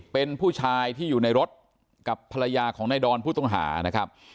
เป็นผู้ชายที่อยู่ในรถกับภรรยาของนายดอนผู้ต้องหานะครับ